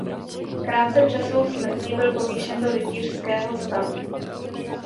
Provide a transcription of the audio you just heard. Krátce před svou smrtí byl povýšen do rytířského stavu.